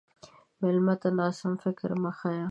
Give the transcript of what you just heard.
مېلمه ته ناسم فکر مه ښیه.